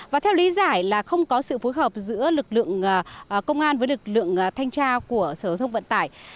và theo lý giải là không có sự phối hợp giữa lực lượng công an với lực lượng thanh tra của sở thông vận tải